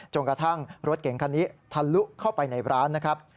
กระทั่งรถเก่งคันนี้ทะลุเข้าไปในร้านนะครับ